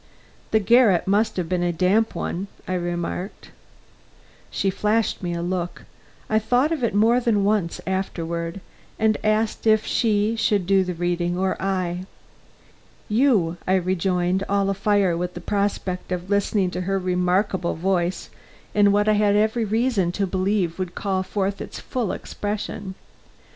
"The garret must have been a damp one," I remarked. She flashed me a look I thought of it more than once afterward and asked if she should do the reading or I. "You," I rejoined, all afire with the prospect of listening to her remarkable voice in what I had every reason to believe would call forth its full expression.